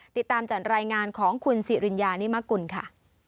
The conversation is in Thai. ติดตามจากรายงานของคุณสิริญญานิมกุลค่ะ